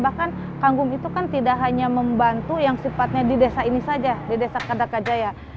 bahkan kanggum itu kan tidak hanya membantu yang sifatnya di desa ini saja di desa kadakajaya